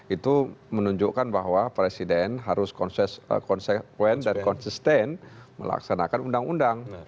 itu menunjukkan bahwa presiden harus konsekuen dan konsisten melaksanakan undang undang